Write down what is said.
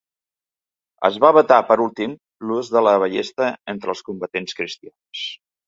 Es va vetar per últim l'ús de la ballesta entre combatents cristians.